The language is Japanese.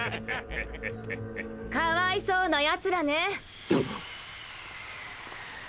かわいそうなヤツらね。